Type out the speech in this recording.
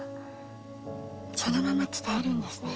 そのまま伝えるんですね。